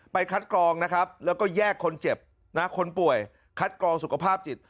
คัดกรองนะครับแล้วก็แยกคนเจ็บนะคนป่วยคัดกรองสุขภาพจิต